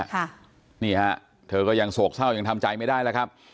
ค่ะนี่ฮะเธอก็ยังโศกเศร้ายังทำใจไม่ได้แล้วครับ